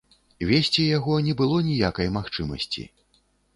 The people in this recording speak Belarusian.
Весці яго не было ніякай магчымасці.